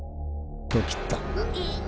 と切った。